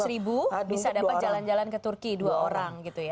seratus ribu bisa dapat jalan jalan ke turki dua orang gitu ya